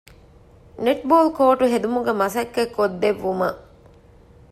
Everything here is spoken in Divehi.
ނެޓްބޯލްކޯޓު ހެދުމުގެ މަސައްކަތް ކޮށްދެއްވުމަށް